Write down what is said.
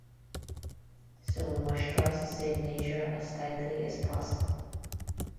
So we must try to save nature as tightly as possible.